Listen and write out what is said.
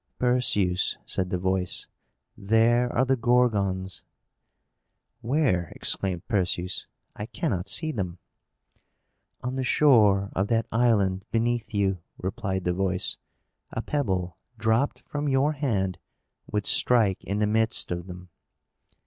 "Perseus," said the voice, "there are the Gorgons." "Where?" exclaimed Perseus. "I cannot see them." "On the shore of that island beneath you," replied the voice. "A pebble, dropped from your hand, would strike in the midst of them."